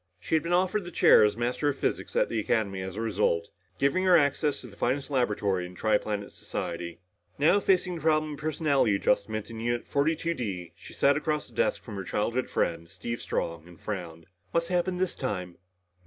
She had been offered the chair as Master of Physics at the Academy as a result, giving her access to the finest laboratory in the tri planet society. Now facing the problem of personality adjustment in Unit 42 D, she sat across the desk from her childhood friend, Steve Strong, and frowned. "What's happened this time?"